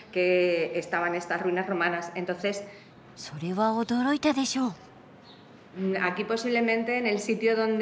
それは驚いたでしょ。